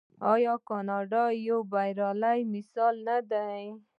آیا کاناډا یو بریالی مثال نه دی؟